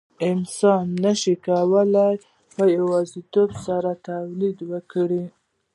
انسان نشي کولای په یوازیتوب سره تولید وکړي.